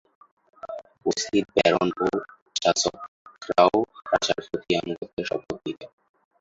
উপস্থিত ব্যারন ও যাজকরাও রাজার প্রতি আনুগত্যের শপথ নিতেন।